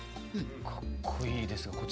かっこいいですがこちらは？